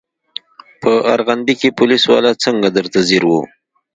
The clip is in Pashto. چې په ارغندې کښې پوليس والا څنګه درته ځير و.